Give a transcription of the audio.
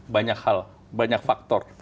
banyak hal banyak faktor